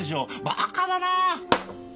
バカだなぁ！